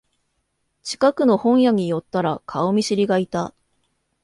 近くの本屋に寄ったら顔見知りがいた